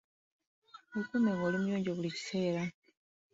Weekuume ng'oli muyonjo buli kiseera.